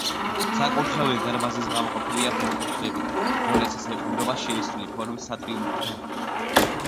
საკურთხეველი დარბაზისგან გამოყოფილია ფართო მხრებით, რომლებსაც ეყრდნობა შეისრული ფორმის სატრიუმფო თაღი.